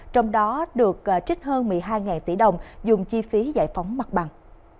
trong đó được trích hơn một mươi hai tỷ đồng dùng chi phí giải phóng mặt bằng